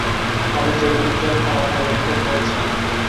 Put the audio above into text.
কলেজের উজ্জ্বল ফলাফলের রেকর্ড রয়েছে।